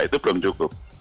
itu belum cukup